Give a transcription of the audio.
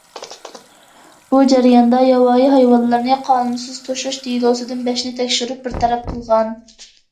بۇ جەرياندا ياۋايى ھايۋانلارنى قانۇنسىز توشۇش دېلوسىدىن بەشنى تەكشۈرۈپ بىر تەرەپ قىلغان.